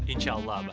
insya allah abah